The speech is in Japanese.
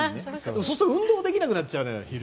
そうすると運動できなくなっちゃうの、昼。